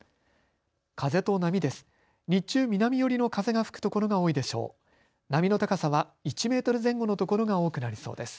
風と波です。